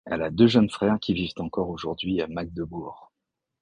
Elle a deux jeunes frères qui vivent encore aujourd'hui à Magdebourg.